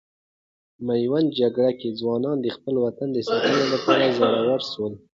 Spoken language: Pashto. میوند جګړې کې ځوانان د خپل وطن د ساتنې لپاره زړور سول.